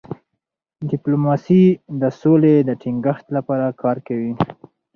ډيپلوماسي د سولې د ټینګښت لپاره کار کوي.